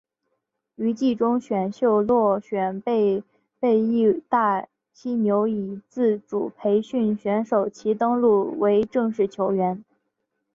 于季中选秀落选被被义大犀牛以自主培训选手其登录为正式球员。